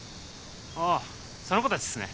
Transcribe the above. あっその子たちっすね？